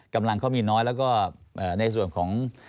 กำลังเขามีน้อยแล้วก็ในส่วนของ